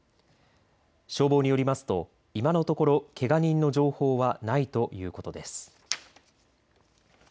消防によりますと今のところけが人の情報はないということです。